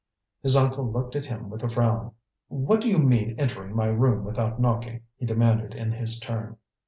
His uncle looked at him with a frown. "What do you mean entering my room without knocking?" he demanded in his turn.